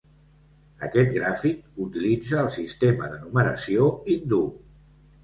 "Aquest gràfic utilitza el sistema de numeració hindú"